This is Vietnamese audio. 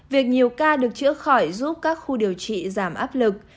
việc nhiều ca được chữa khỏi giúp các khu điều trị giảm áp lực